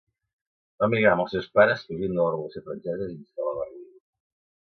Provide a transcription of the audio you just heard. Va emigrar amb els seus pares fugint de la Revolució francesa, i s'instal·là a Berlín.